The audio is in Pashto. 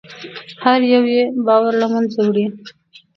هر یو یې باور له منځه وړي.